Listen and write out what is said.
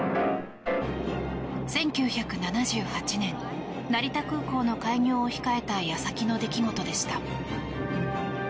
１９７８年成田空港の開業を控えた矢先の出来事でした。